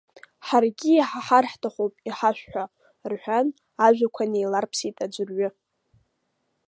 Ҳаргьы иҳаҳар ҳҭахуп, иҳашәҳәа, — рҳәан, ажәақәа неиларԥсеит аӡәырҩы.